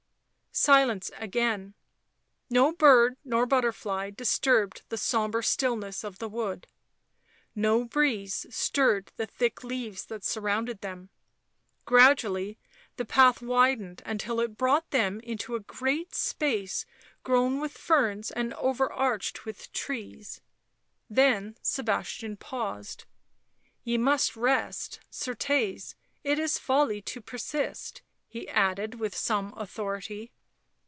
Silence again; no bird nor butterfly disturbed the sombre stillness of the wood, no breeze stirred the thick leaves that surrounded them ; gradually the path widened until it brought them into a great space grown with ferns and overarched with trees. Then Sebastian paused. " Ye must rest, certes, it is folly to persist," he added, with some authority.